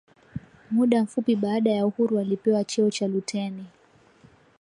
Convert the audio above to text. muda mfupi baada ya uhuru alipewa cheo cha luteni